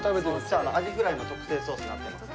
アジフライの特製ソースになってます。